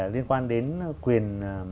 liên quan đến quyền